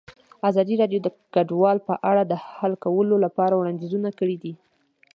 ازادي راډیو د کډوال په اړه د حل کولو لپاره وړاندیزونه کړي.